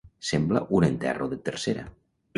Semblar un enterro de tercera.